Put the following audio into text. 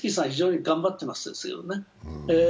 非常に頑張ってますよね。